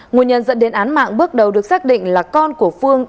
nguồn nhân dẫn đến án mạng bước đầu được xác định là con của phương